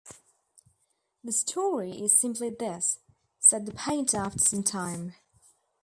"The story is simply this," said the painter after some time.